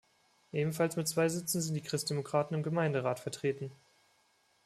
Ebenfalls mit zwei Sitzen sind die Christdemokraten im Gemeinderat vertreten.